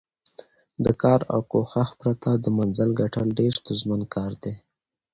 د کار او کوښښ پرته د منزل ګټل ډېر ستونزمن کار دی.